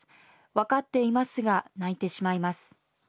分かっていますが泣いてしまいます。